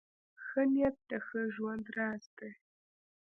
ښه نیت د ښه ژوند راز دی .